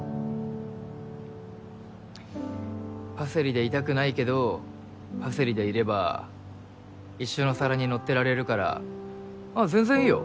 パセリでいたくないけどパセリでいれば一緒の皿に載ってられるからあっ全然いいよ